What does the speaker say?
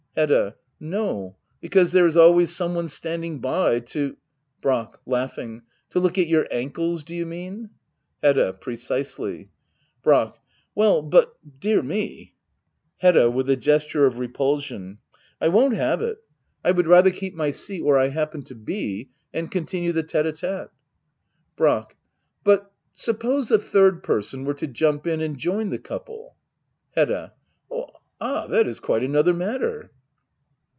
Hedda. No — because there is always some one standing Brack. To look at your ankles^ do you mean? Hedda. Precisely. Brack. Well but, dear me Hedda. [With a gesture of repulsion.] I won't have it. Digitized by Google 72 HEDDA OABLER. [aCT II. I would rather keep my seat where I happen to be — ^and continue the tite ^tHe, Brack, But suppose a third person were to jump in and join the couple. Hedda. Ah — ^that is quite another matter